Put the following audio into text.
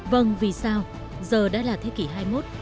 vâng vì sao giờ đã là thế kỷ hai mươi một